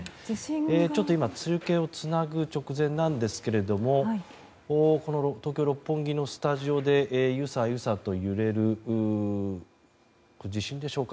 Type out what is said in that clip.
ちょっと今中継をつなぐ直前なんですがこの東京・六本木のスタジオでゆさゆさと揺れる地震でしょうか